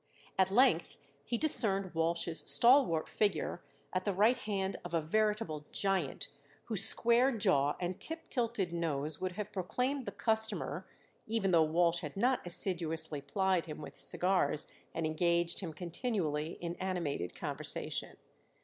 At length he discerned Walsh's stalwart figure at the right hand of a veritable giant, whose square jaw and tip tilted nose would have proclaimed the customer, even though Walsh had not assiduously plied him with cigars and engaged him continually in animated conversation.